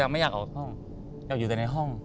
ไม่อยากออกห้องอยากอยู่แต่ในห้อง